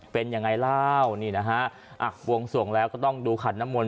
เป็นยังไงเล่านี่นะฮะอ่ะบวงสวงแล้วก็ต้องดูขันน้ำมนต